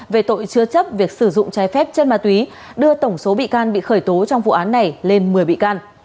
về tội chứa chấp việc sử dụng trái phép chân ma túy đưa tổng số bị can bị khởi tố trong vụ án này lên một mươi bị can